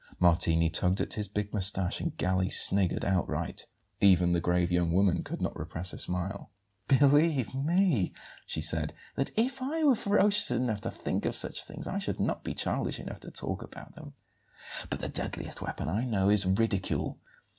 Martini tugged at his big moustache and Galli sniggered outright. Even the grave young woman could not repress a smile. "Believe me," she said, "that if I were ferocious enough to think of such things I should not be childish enough to talk about them. But the deadliest weapon I know is ridicule.